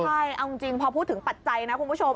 ใช่เอาจริงพอพูดถึงปัจจัยนะคุณผู้ชม